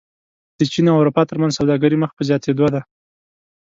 د چین او اروپا ترمنځ سوداګري مخ په زیاتېدو ده.